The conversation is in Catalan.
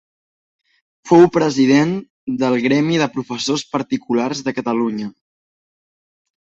Fou president del Gremi de Professors Particulars de Catalunya.